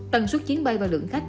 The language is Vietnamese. tần suất chuyến bay và lượng khách